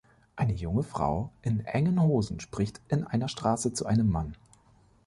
Eine junge Frau in engen Hosen spricht in einer Straße zu einem Mann.